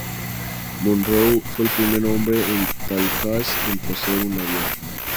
Munroe fue el primer hombre en Tallahassee en poseer un avión.